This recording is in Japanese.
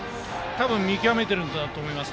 見極めているんだと思います。